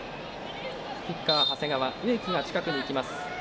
キッカーは長谷川植木が近くに行きます。